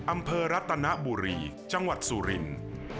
อำเภอรัตนบุรีจังหวัดสุรินทร์